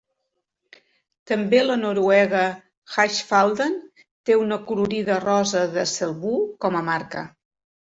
També la noruega Husfliden té una colorida rosa de Selbu com a marca.